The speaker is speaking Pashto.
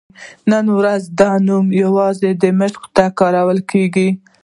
نن ورځ دا نوم یوازې دمشق ته کارول کېږي.